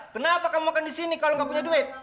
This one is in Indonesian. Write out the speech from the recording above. kenapa kamu makan di sini kalau nggak punya duit